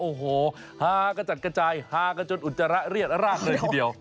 โอ้โหฮากระจัดกระจายฮากันจนอุจจาระเรียดรากเลยทีเดียว